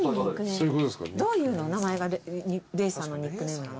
どういう名前がレーサーのニックネームなの？